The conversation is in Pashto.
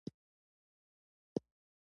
افغانستان د هندوکش لپاره مشهور دی.